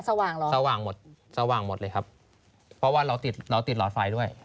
สว่างหมดสว่างหมดเลยครับเพราะว่าเราติดเราติดหลอดไฟด้วย